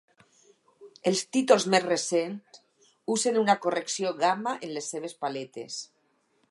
Els títols més recents usen una correcció gamma en les seves paletes.